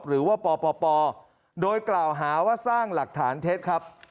หรือว่าปปโดยกล่าวหาว่าสร้างหลักฐานเท็จครับ